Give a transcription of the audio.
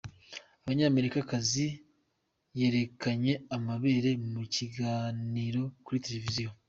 Umunyamerica kazi yerekanye amabere mu kiganiro kuri Televiziyo